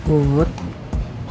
nggak ada kecuali gini